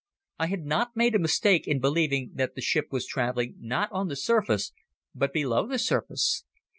I had not made a mistake in believing that the ship was traveling not on the surface but below the surface.